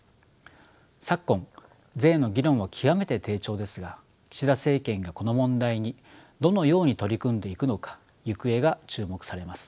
昨今税の議論は極めて低調ですが岸田政権がこの問題にどのように取り組んでいくのか行方が注目されます。